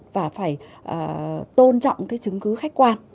và phải tôn trọng cái chứng cứ khách quan